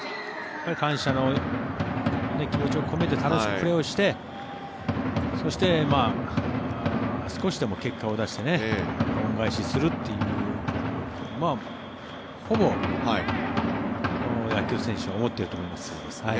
感謝の気持ちを込めて楽しくプレーをしてそして、少しでも結果を出して恩返しするというのはほぼ野球選手は思ってると思いますね。